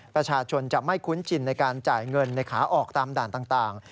ประชาชนจะไม่คุ้นชินในการจ่ายเงินในขาออกตามด่านต่าง